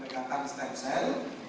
kami melakukan dua pendekatan stem cell